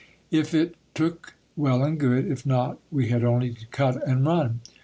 If it took, well and good ; if not, we had only to cut and run.